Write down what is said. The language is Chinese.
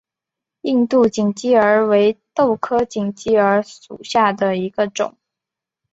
印度锦鸡儿为豆科锦鸡儿属下的一个种。